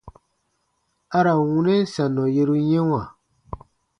A ra n wunɛn sannɔ yeru yɛ̃wa.